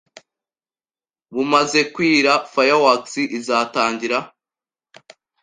Bumaze kwira, fireworks izatangira